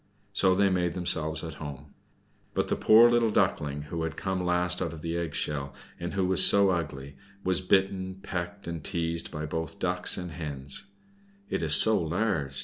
So they made themselves at home. But the poor little Duckling, who had come last out of its egg shell, and who was so ugly, was bitten, pecked, and teased by both Ducks and Hens. "It is so large!"